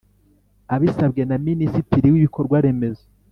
Abisabwe na Minisitiri w Ibikorwa Remezo